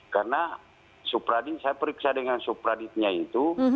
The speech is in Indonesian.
karena supradit saya periksa dengan supraditnya itu